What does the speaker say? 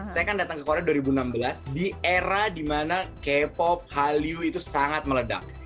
saya kan datang ke korea dua ribu enam belas di era di mana k pop hallyu itu sangat meledak